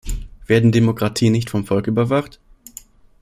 Werden Demokratien nicht vom Volk überwacht?